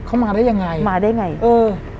เขามาได้ยังไงมาได้ไงเออ